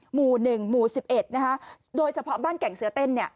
หมู่หนึ่งหมู่สิบเอ็ดนะคะโดยเฉพาะบ้านแก่งเสือเต้นเนี่ย